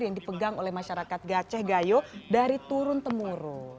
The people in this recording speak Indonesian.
yang dipegang oleh masyarakat gace gayo dari turun temurun